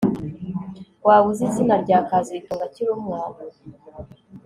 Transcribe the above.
Waba uzi izina rya kazitunga akiri umwana